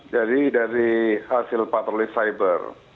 jadi dari hasil patroli cyber